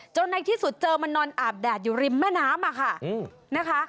ในที่สุดเจอมันนอนอาบแดดอยู่ริมแม่น้ำค่ะนะคะ